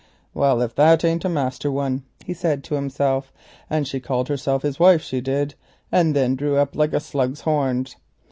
"Well, if that ain't a master one," he said to himself, "and she called herself his wife, she did, and then drew up like a slug's horns.